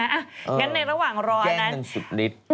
งั้นในระหว่างรออันนั้นแย้งกันสุดลิด